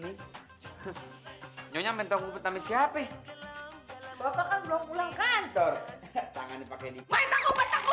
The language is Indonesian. ianya sama ianya aduh nyonya rumah berantakan kayak begini